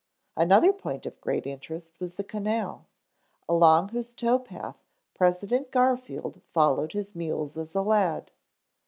Another point of great interest was the canal, along whose tow path President Garfield followed his mules as a lad.